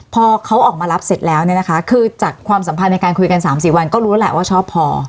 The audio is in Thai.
พอเขาออกมารับเสร็จแล้วเนี่ยนะคะคือจากความสัมพันธ์ในการคุยกัน๓๔วันก็รู้แหละว่าชอบพอ